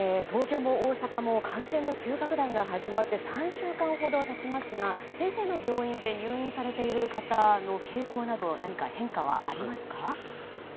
東京も大阪も感染の急拡大が始まって３週間ほど経ちますが先生の病院で入院されている方の傾向など何か変化はありますか？